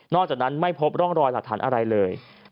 จากนั้นไม่พบร่องรอยหลักฐานอะไรเลย